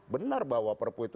benar bahwa perpu itu